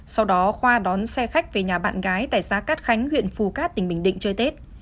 sau đó khoa đón xe khách về nhà bạn gái tại xã cát khánh huyện phù cát tỉnh bình định chơi tết